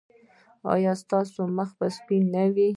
ایا ستاسو مخ به سپین نه وي؟